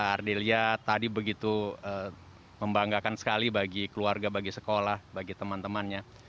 ardelia tadi begitu membanggakan sekali bagi keluarga bagi sekolah bagi teman temannya